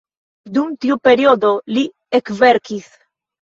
Dum tiu periodo, Li ekverkis.